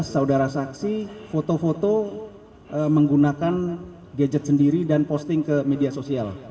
saudara saksi foto foto menggunakan gadget sendiri dan posting ke media sosial